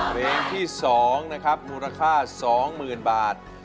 เพลงที่๒นะครับมูลค่า๒๐๐๐บาท